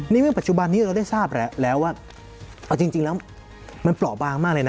เพียงปัจจุบันนี้เราได้ทราบแล้วจริงแล้วมันเปล่าบางมากเลยนะ